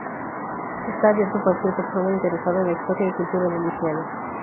Está abierto a cualquier persona interesada en la historia y cultura de Luisiana.